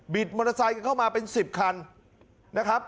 มอเตอร์ไซค์เข้ามาเป็น๑๐คันนะครับ